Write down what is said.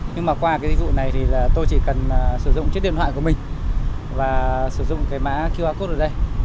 nhưng mà qua cái dịch vụ này thì là tôi chỉ cần sử dụng chiếc điện thoại của mình và sử dụng cái mã qr code ở đây